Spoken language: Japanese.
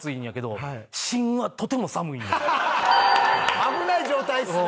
危ない状態ですね。